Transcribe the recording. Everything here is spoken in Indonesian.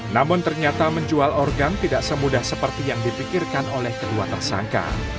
namun ternyata menjual organ tidak semudah seperti yang dipikirkan oleh kedua tersangka